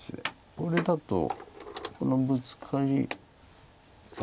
これだとこのブツカリから。